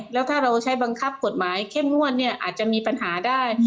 แล้วถ้าเราใช้บังคับกฎหมายเข้มงวดเนี่ยอาจจะมีปัญหาได้